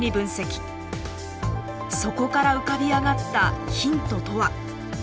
そこから浮かび上がったヒントとは。